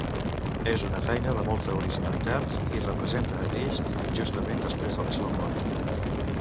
És una feina de molta originalitat, i representa a Crist justament després de la seva mort.